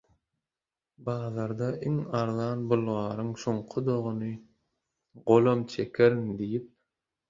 Bazarda iň arzan bulgaryň şuňkudygyna golam çekerin» diýip